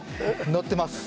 のってます。